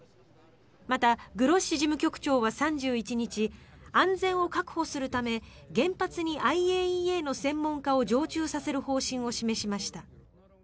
また、グロッシ事務局長は３１日安全を確保するため原発にＩＡＥＡの専門家を常駐させる方針を示しました。